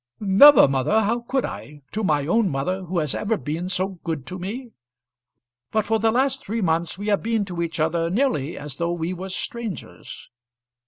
"Never, mother. How could I, to my own mother, who has ever been so good to me? But for the last three months we have been to each other nearly as though we were strangers."